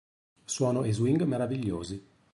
Suono e swing meravigliosi.